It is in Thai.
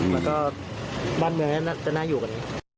แล้วก็บ้านเมืองน่าจะน่าอยู่กัน